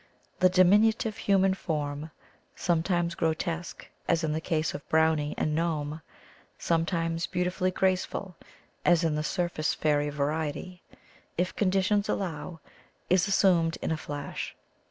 The diminutive human form — sometimes grotesque, as in the case of brownie and gnome, sometimes beautifully graceful, as in the surface fairy variety — if conditions allow, is assumed in a flash.